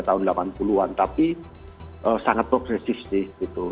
tahun delapan puluh an tapi sangat progresif sih gitu